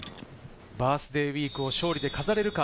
バースデーウイークを勝利で飾れるか？